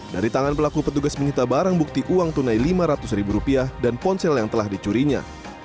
dari tangan pelaku petugas menyita barang bukti uang tunai lima ratus ribu rupiah dan ponsel yang telah dicurinya